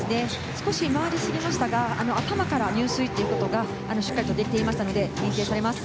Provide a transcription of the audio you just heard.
少し回りすぎましたが頭から入水ということがしっかりできていましたので認定されます。